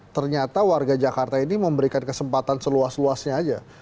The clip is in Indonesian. ternyata warga jakarta ini memberikan kesempatan seluas luasnya aja